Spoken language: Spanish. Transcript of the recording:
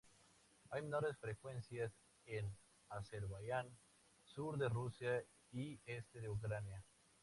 Hay menores frecuencias en Azerbaiyán, sur de Rusia y este de Ucrania.